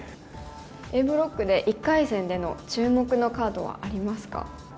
Ａブロックで１回戦での注目のカードはありますか？